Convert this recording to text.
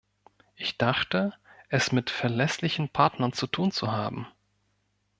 Ich dachte, es mit verlässlichen Partnern zu tun zu haben.